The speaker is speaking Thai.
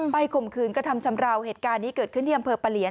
ข่มขืนกระทำชำราวเหตุการณ์นี้เกิดขึ้นที่อำเภอปะเหลียน